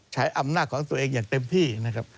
ใช้อำนาจของตัวเองอย่างเต็มที่นะครับ